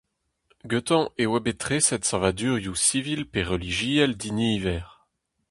Gantañ e oa bet treset savadurioù sivil pe relijiel diniver.